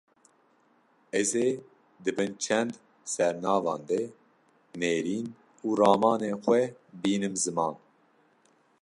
Ez ê di bin çend sernavan de nêrîn û ramanên xwe bînim ziman